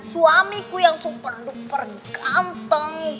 suamiku yang super duper ganteng